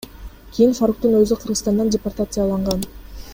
Кийин Фаруктун өзү Кыргызстандан департацияланган.